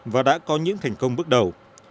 và đã có những thành công bước đầu